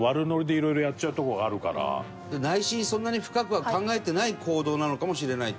内心そんなに深くは考えてない行動なのかもしれないと。